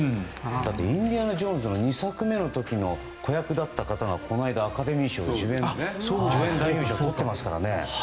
「インディ・ジョーンズ」の２作目の時の子役だった方がこないだアカデミー賞で男優賞をとっていますからね。